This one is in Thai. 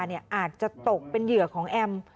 ว่าภรรยาอาจจะตกเป็นเหยื่อของแอม